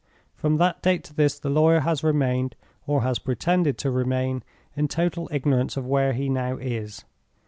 From that date to this the lawyer has remained (or has pretended to remain) in total ignorance of where he now is.